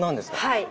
はい。